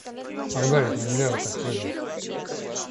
Ах, да ведь нельзя же так прыгать!